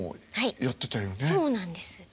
そうなんです。